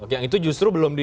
yang itu justru belum